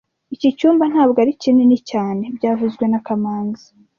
Iki cyumba ntabwo ari kinini cyane byavuzwe na kamanzi